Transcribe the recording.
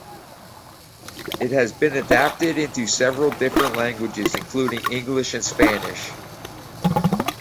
It has been adapted into several different languages including English and Spanish.